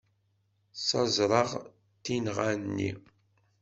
Ssaẓreɣ tinɣa-nni.